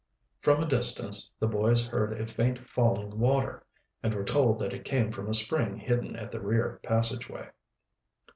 From a distance the boys heard a faint falling of water, and were told that it came from a spring hidden at the rear passageway.